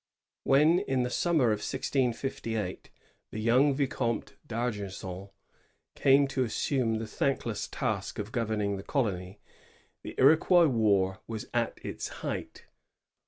When, in the summer of 1658, the young Vicomte d'Argenson came to assume the thankless task of governing the colony, the Iroquois war was at its height.